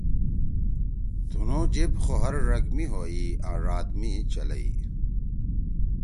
تُنُو جیِب خو ہر ڙگ می ہوئی آں ڙاد می چلئی۔